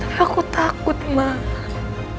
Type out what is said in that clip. tapi aku takut mama